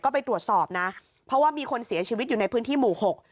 ก็ไปตรวจสอบนะเพราะว่ามีคนเสียชีวิตอยู่ในพื้นที่หมู่หก